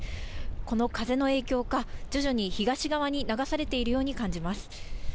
この風の影響か、徐々に東側に流されているように感じます。